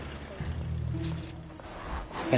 あ。